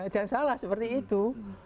jangan salah seperti itu